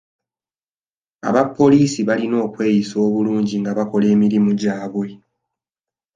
Abapoliisi balina okweyisa bulungi nga bakola emirimu gyabwe.